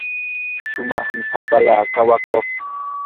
shumaqmi hapala kawakuu.